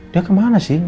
dia kemana sih